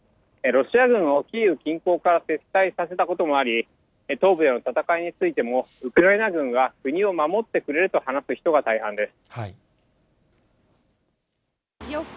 ロシア軍をキーウ近郊から撤退させたこともあり、東部での戦いについても、ウクライナ軍が国を守ってくれると話す人が大半です。